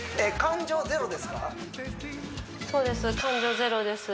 そうです